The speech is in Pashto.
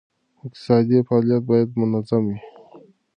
اقتصادي فعالیت باید منظمه وي.